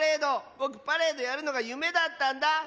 ぼくパレードやるのがゆめだったんだ！